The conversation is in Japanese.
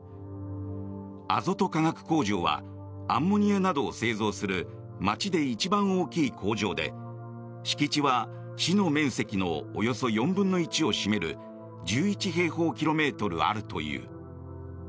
アゾト化学工場はアンモニアなどを製造する街で一番大きい工場で敷地は市の面積のおよそ４分の１を占める１１平方キロメートルあるという。